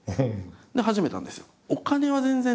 で始めたんですよ。